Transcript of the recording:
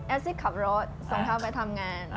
ซี่ขับรถส่งเท้าไปทำงาน